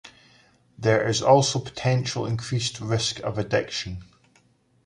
There is also a potential increased risk of addiction.